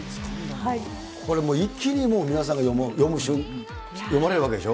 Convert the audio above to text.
これ、もう一気に皆さんに読まれるわけでしょ。